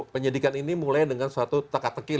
penyidikan ini mulai dengan suatu teka teki